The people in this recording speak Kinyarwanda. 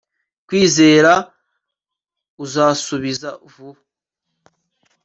Kwizera uzasubiza vuba